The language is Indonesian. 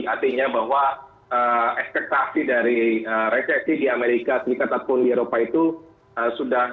artinya bahwa ekspektasi dari resesi di amerika serikat ataupun di eropa itu sudah